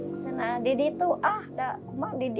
karena didi tuh ah udah emang didi